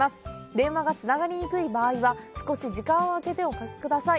電話がつながりにくい場合は少し時間を空けておかけください。